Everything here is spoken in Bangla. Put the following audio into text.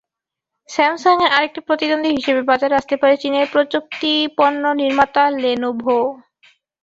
স্যামসাংয়ের আরেক প্রতিদ্বন্দ্বী হিসেবে বাজারে আসতে পারে চীনের প্রযুক্তিপণ্য নির্মাতা লেনোভো।